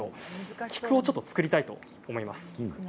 菊を作りたいと思います。